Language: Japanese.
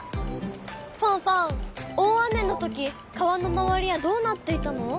ファンファン大雨のとき川の周りはどうなっていたの？